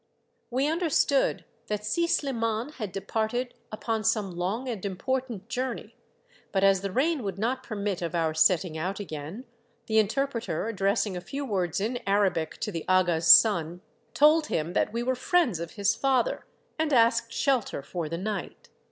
We understood that Si Sliman had departed upon some long and important journey, but as the rain would not permit of our setting out again, the interpreter, addressing a few words in Arabic to the aga's son, told him that we were friends of his father, and asked shelter for the night.